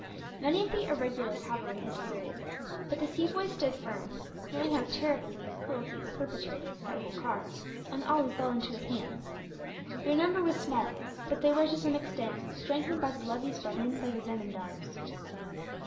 Many of the irregular cavalry had deserted; but the Sepoys stood firm, knowing how terrible were the cruelties perpetrated, by Holkar, on all who fell into his hands. Their number was small; but they were, to some extent, strengthened by the levies brought in by the zemindars.